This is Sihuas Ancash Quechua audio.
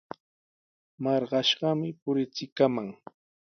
Marqashqami purichikamaq.